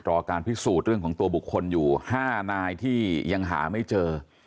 รอการพิสูจน์เรื่องของตัวบุคคลอยู่๕นายที่ยังหาไม่เจอ